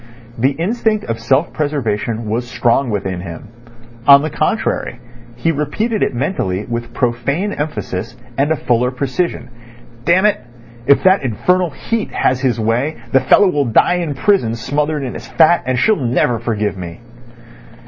The instinct of self preservation was strong within him. On the contrary, he repeated it mentally with profane emphasis and a fuller precision: "Damn it! If that infernal Heat has his way the fellow'll die in prison smothered in his fat, and she'll never forgive me."